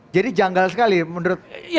jadi janggal sekali menurut anda ya